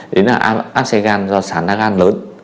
đấy là áp xe gan do sán na gan lớn